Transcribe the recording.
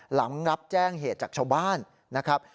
หลังรับแจ้งเหตุจากชาวบ้านนะครับ